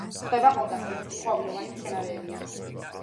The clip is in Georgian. გვხვდება ყველგან, სადაც კი ყვავილოვანი მცენარეებია.